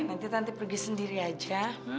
nanti nanti pergi sendiri aja